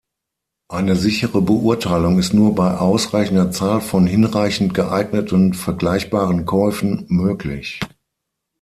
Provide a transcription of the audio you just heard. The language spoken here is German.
Eine sichere Beurteilung ist nur bei ausreichender Zahl von hinreichend geeigneten vergleichbaren Käufen möglich.